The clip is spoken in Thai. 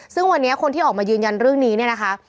ซึ่งวันนี้คนที่ออกมายืนยันเรื่องนี้เนี่ยนะคะ